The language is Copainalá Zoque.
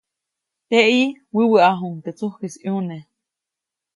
Teʼyi, wäwäʼajuŋ teʼ tsujkis ʼyune.